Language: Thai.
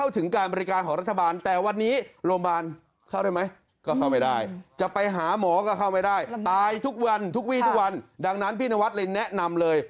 ตายทุกวันทุกวีทุกวันดังนั้นพี่นวัดเลยแนะนำเลย